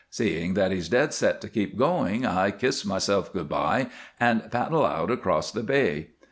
Seeing that he's dead set to keep going, I kiss myself good by and paddle out across the bay.